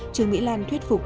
trường mỹ lan thuyết phục